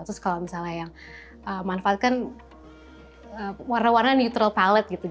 terus kalau misalnya yang manfaatkan warna warna neutral pilot gitu